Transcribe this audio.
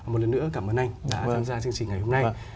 một lần nữa cảm ơn anh đã tham gia chương trình ngày hôm nay